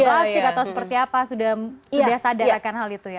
plastik atau seperti apa sudah sadarkan hal itu ya